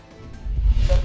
kalau pun ada yang minang pun